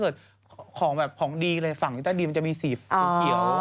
ของแบบของดีเลยฝั่งลิต้าดีมันจะมีสีเขียว